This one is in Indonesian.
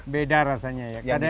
beda rasanya ya